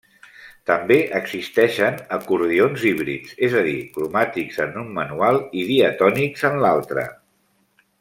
També existeixen acordions híbrids, és a dir, cromàtics en un manual i diatònics en l'altre.